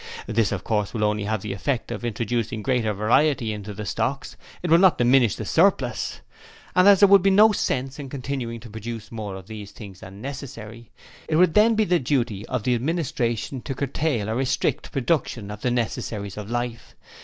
This of course will only have the effect of introducing greater variety into the stocks it will not diminish the surplus: and as there would be no sense in continuing to produce more of these things than necessary, it would then be the duty of the Administration to curtail or restrict production of the necessaries of life.